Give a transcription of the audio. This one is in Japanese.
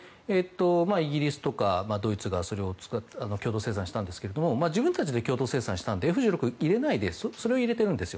イギリスとかドイツが共同生産したんですけれども自分たちで共同生産したのでＦ１６を入れないでそれを入れてるんですよ。